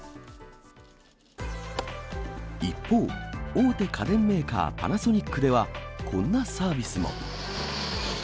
一方、大手家電メーカー、パナソニックでは、こんなサービスも。